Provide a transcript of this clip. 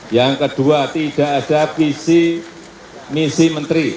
yang kedua tidak ada visi misi menteri